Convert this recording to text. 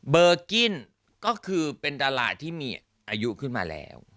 เบอร์กิ้นก็คือเป็นดาราที่มีอายุขึ้นมาแล้ว